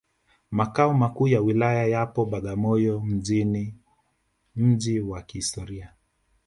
Makao Makuu ya Wilaya yapo Bagamoyo mjini mji wa kihistoria